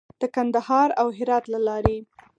د کندهار او هرات له لارې.